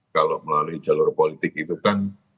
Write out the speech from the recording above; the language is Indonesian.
kalau melalui jalur politik itu kan